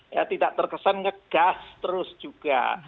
ya tidak terkesan ngegas terus juga